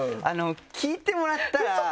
聴いてもらったら。